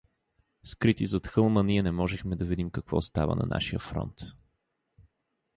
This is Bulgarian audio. Скрити зад хълма, ние не можехме да видим какво става на нашия фронт.